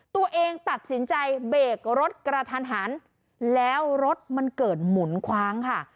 ตัวเองตัดสินใจเบรกรถกระทันหันแล้วรถมันเกิดหมุนคว้างค่ะ